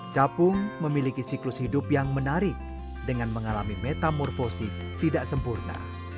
capung memiliki siklus hidup yang menarik dengan mengalami metamorfosis tidak sempurna